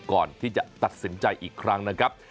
ก่อนที่จะตัดสินใจอีกครั้งนะครับ